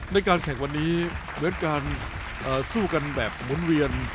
ในการแข่งวันนี้เหมือนการสู้กันแบบหมุนเวียน